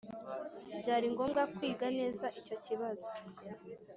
byari ngombwa kwiga neza icyo kibazo.